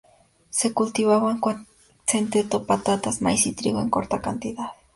Se cultivaban centeno, patatas, maíz y trigo en corta cantidad.